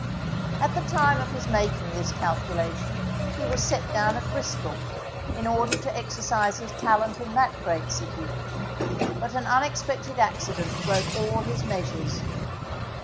At the time of his making this calculation he was set down at Bristol, in order to exercise his talent in that great city; but an unexpected accident broke all his measures.